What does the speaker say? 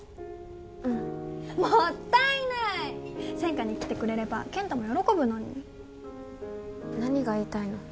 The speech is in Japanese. うんもったいない専科に来てくれれば健太も喜ぶのに何が言いたいの？